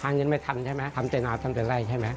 การเงินไม่ทันใช่ไหมทำแต่หนาวทำแต่ไรใช่ไหม